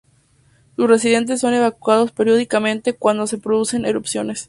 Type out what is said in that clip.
Sus residentes son evacuados periódicamente, cuando se producen erupciones.